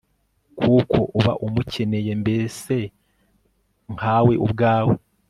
kuko uba umukeneye mbese nkawe ubwawe